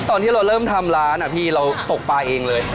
ตอนที่เราเริ่มทำร้านพี่เราตกปลาเองเลย